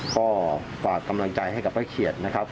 ก็ฝากกำลังใจให้กับป้าเขียดนะครับ